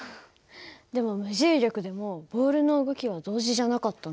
でも無重力でもボールの動きは同時じゃなかったね。